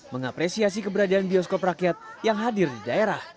mengapresiasi keberadaan bioskop rakyat yang hadir di daerah